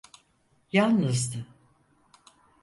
Yalnızdı.